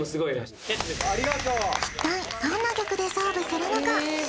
一体どんな曲で勝負するのか？